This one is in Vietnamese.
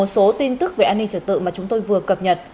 một số tin tức về an ninh trật tự mà chúng tôi vừa cập nhật